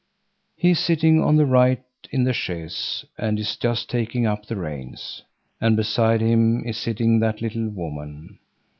He is sitting on the right in the chaise and is just taking up the reins, and beside him is sitting that little woman.